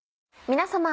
皆様。